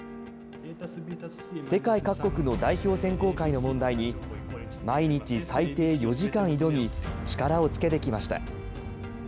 世界各国の代表選考会の問題に、毎日最低４時間挑み、力をつけてきました。